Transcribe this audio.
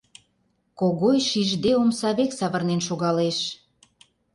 Когой, шижде, омса век савырнен шогалеш.